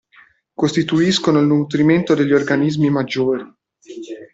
Costituiscono il nutrimento degli organismi maggiori.